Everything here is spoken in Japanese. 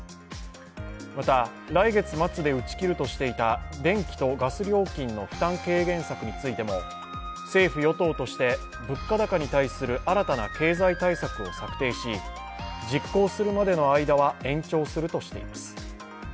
また、来月末で打ち切るとしていた電気とガス料金の負担軽減策についても政府・与党として、物価高に対する新たな経済対策を策定し実行するまでの間は延長するとしています。